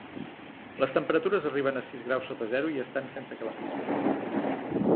Les temperatures arriben a sis graus sota zero i estan sense calefacció.